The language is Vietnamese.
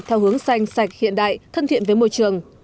theo hướng xanh sạch hiện đại thân thiện với môi trường